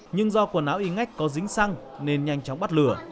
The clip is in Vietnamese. nhưng do quần áo y ngách có dính xăng nên nhanh chóng bắt lửa